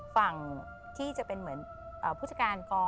ฝั่งที่จะเป็นเหมือนผู้จัดการก